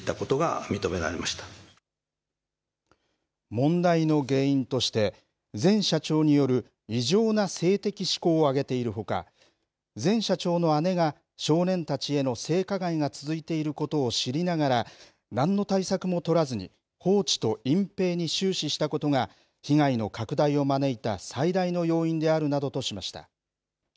問題の原因として、前社長による異常な性的しこうを挙げているほか、前社長の姉が、少年たちへの性加害が続いていることを知りながら、なんの対策も取らずに放置と隠蔽に終始したことが、被害の拡大を招いた最大の要因であるなどとしました。